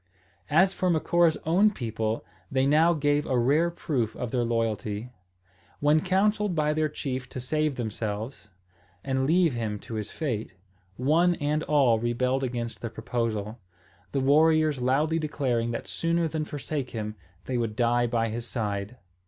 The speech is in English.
As for Macora's own people, they now gave a rare proof of their loyalty. When counselled by their chief to save themselves, and leave him to his fate, one and all rebelled against the proposal; the warriors loudly declaring that sooner than forsake him they would die by his side.